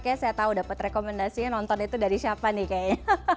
kayaknya saya tahu dapat rekomendasinya nonton itu dari siapa nih kayaknya